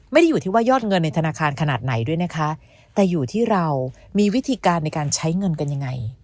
ไม่ได้อยู่ที่ว่ายอดเงินในธนาคารขนาดไหนด้วยนะคะแต่อยู่ที่เรามีวิธีการในการใช้เงินกันยังไง